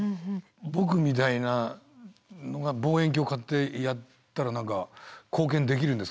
僕みたいなのが望遠鏡を買ってやったら何か貢献できるんですか。